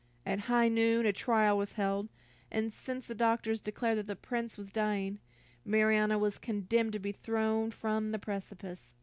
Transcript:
At high noon, a trial was held, and since the doctors declared that the Prince was dying, Marianna was condemned to be thrown from the precipice.